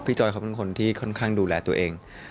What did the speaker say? จอยเขาเป็นคนที่ค่อนข้างดูแลตัวเอง